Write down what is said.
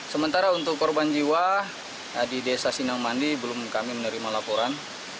sementara untuk korban jiwa di desa sinomandi belum kami menerima laporan